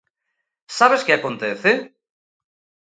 Sabes que acontece?